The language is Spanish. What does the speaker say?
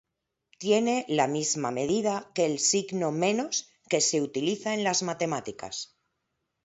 Tiene la misma medida que el signo menos que se utiliza en las matemáticas.